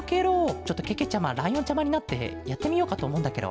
ちょっとけけちゃまライオンちゃまになってやってみようかとおもうんだケロ。